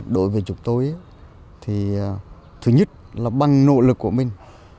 đối với chúng tôi thì thứ nhất là bằng nỗ lực của mình